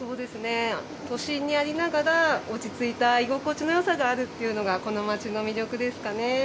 都心にありながら落ち着いた居心地のよさがあるというのがこの街の魅力です。